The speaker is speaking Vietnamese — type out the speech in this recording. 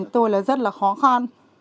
tôi là rất là khó khăn